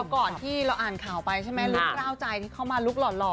ก่อนที่เราอ่านข่าวไปใช่ไหมลุคกล้าวใจที่เข้ามาลุคหล่อ